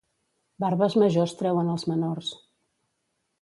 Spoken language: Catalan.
Barbes majors treuen els menors.